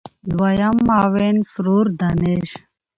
دویم معاون سرور دانش